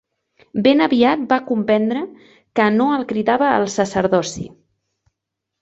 Ben aviat va comprendre que no el cridava el sacerdoci.